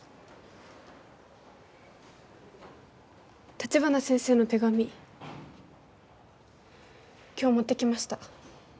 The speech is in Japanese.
立花先生の手紙今日持ってきました